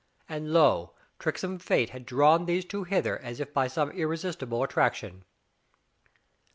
And, lo! tricksome fate had drawn these two hither as by some irresistible attraction.